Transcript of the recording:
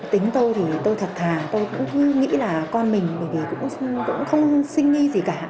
tính tôi thì tôi thật thà tôi cũng cứ nghĩ là con mình bởi vì cũng không sinh nghi gì cả